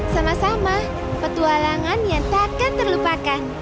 sama sama petualangan yang takkan terlupakan